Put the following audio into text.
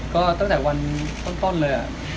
ก็ตั้งแต่วันต้นเลย